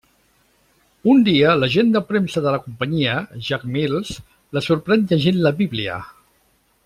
Un dia, l’agent de premsa de la companyia, Jack Mills, la sorprèn llegint la Bíblia.